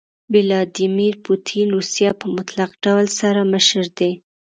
ويلاديمير پوتين روسيه په مطلق ډول سره مشر دي.